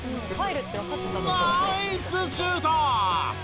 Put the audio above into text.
ナイスシュート！